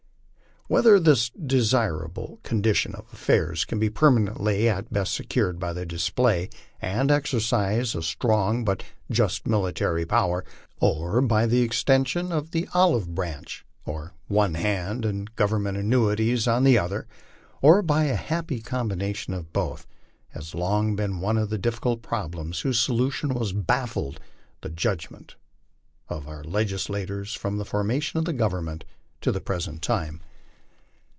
Whether this desirable condition 102 LIFE ON THE PLAINS. of affairs can be permanently and best secured by the display and exercise of a strong but just military power, or by the extension of the olive branch oc one hand and government annuities on the other, or by a happy combination of both, has long been one of the difficult problems whose solution has baffled the judgment of our legislators from the formation of the government to the present time.